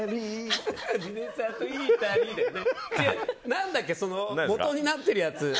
何だっけ、もとになってるやつ。